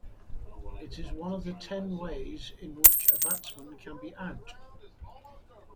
It is one of the ten ways in which a batsman can be out.